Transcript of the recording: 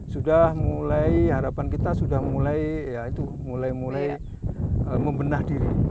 sudah mulai harapan kita sudah mulai ya itu mulai mulai membenah diri